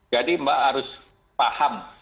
jadi mbak harus paham